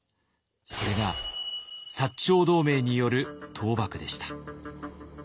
それが長同盟による倒幕でした。